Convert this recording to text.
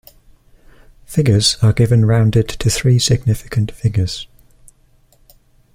Figures are given rounded to three significant figures.